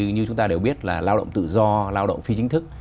như chúng ta đều biết là lao động tự do lao động phi chính thức